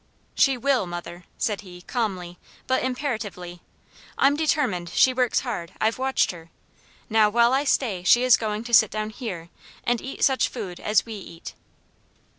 "She WILL, mother," said he, calmly, but imperatively; I'm determined; she works hard; I've watched her. Now, while I stay, she is going to sit down HERE, and eat such food as we eat."